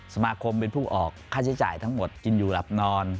สมาคมเป็นผู้ออกค่าใช้จ่ายทั้งหมดกินอยู่หลับนอน